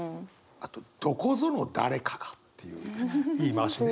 あと「どこぞの誰かが」っていう言い回しね。